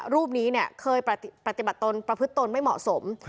รูปนี้เคยปฏิบัติตนประพฤติตนไม่เหมาะสม